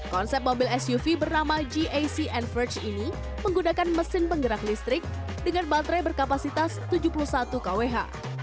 konsep mobil suv bernama jac enforge ini menggunakan mesin penggerak listrik dengan baterai berkapasitas tujuh puluh satu kwh